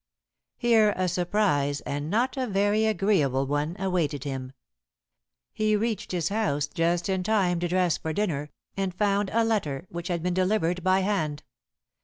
Here a surprise, and not a very agreeable one, awaited him. He reached his house just in time to dress for dinner, and found a letter, which had been delivered by hand.